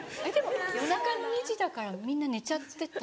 夜中の２時だからみんな寝ちゃってた。